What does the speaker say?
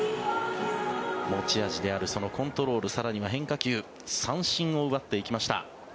持ち味であるコントロール更には変化球三振を奪っていきました。